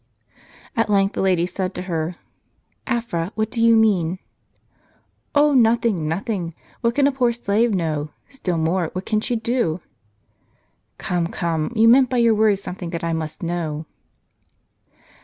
At length the lady said to her :" Afra, what do you mean ?" "Oh, nothing, nothing. What can a poor slave know? Still more, what can she do? "" Come, come, you meant by your words something that I must know."